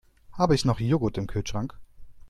Habe ich noch Joghurt im Kühlschrank?